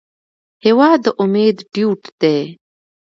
هېواد د امید ډیوټ دی.